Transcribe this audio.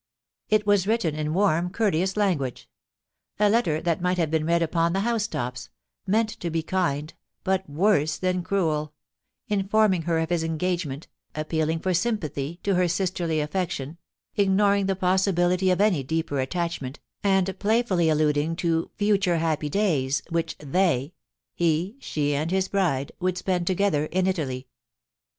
It was written in warm courteous language — a letter that might have been read upon the housetops — meant to be kind, but worse than cruel — informing her of his engage ment, appealing for sympathy to her sisterly affection, ignoring the possibility of any deeper attachment, and play fully alluding to * future happy days ' which they — he, she and his bride — ^would spend together *in Italy.'